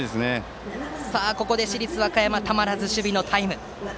ここで市立和歌山はたまらず守備のタイム。